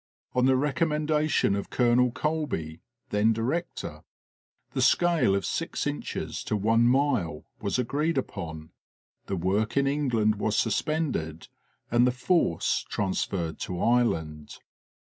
On the recommendation of Colonel Colby, then director, the scale of six inches to one mile was agreed upon ; the work in England was suspended and the force transferred to Ireland.